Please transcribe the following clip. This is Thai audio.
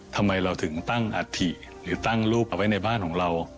ทำไมเราถึงตั้งอัฐิหรือตั้งรูปเอาไว้ในบ้านของเรา